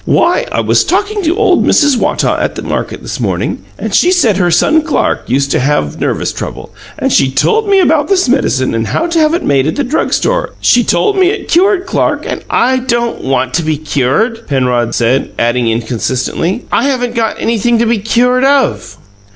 "Why, I was talking to old Mrs. Wottaw at market this morning, and she said her son Clark used to have nervous trouble, and she told me about this medicine and how to have it made at the drug store. She told me it cured Clark, and " "I don't want to be cured," Penrod said, adding inconsistently, "I haven't got anything to be cured of."